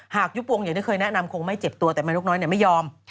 ยุบวงอย่างที่เคยแนะนำคงไม่เจ็บตัวแต่แม่นกน้อยไม่ยอม